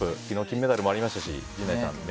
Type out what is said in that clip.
昨日金メダルもありましたし陣内さん